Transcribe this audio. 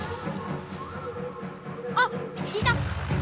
あっいた！